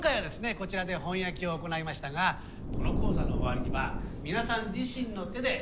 こちらで本焼きを行いましたがこの講座の終わりには皆さん自身の手で窯入れを。